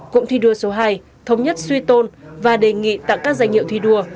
cụm thi đua số hai thống nhất suy tôn và đề nghị tặng các danh hiệu thi đua